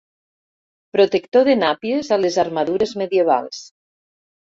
Protector de nàpies a les armadures medievals.